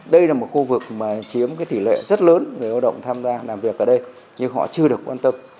đây là một khu vực mà chiếm cái tỷ lệ rất lớn người lao động tham gia làm việc ở đây nhưng họ chưa được quan tâm